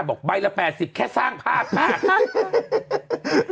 บอกใบละ๘๐แค่สร้างภาพมาก